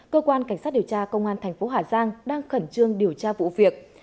cơ quan cảnh sát điều tra công an tp hà giang đang khẩn trương điều tra vụ việc